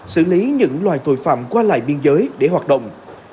xử lý những loài tội phạm qua lại biên giới để hoạt động